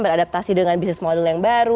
beradaptasi dengan bisnis model yang baru